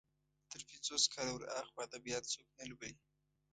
تر پنځوس کاله ور اخوا ادبيات څوک نه لولي.